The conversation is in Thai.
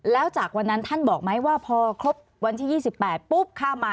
แล้วจากวันนั้นท่านบอกไหมว่าพอครบวันที่๒๘ปุ๊บข้ามมา